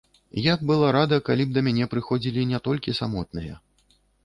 Я б была рада, калі б да мяне прыходзілі не толькі самотныя.